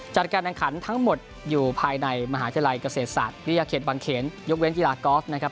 จัดการแข่งขันทั้งหมดอยู่ภายในมหาวิทยาลัยเกษตรศาสตร์วิทยาเขตบางเขนยกเว้นกีฬากอล์ฟนะครับ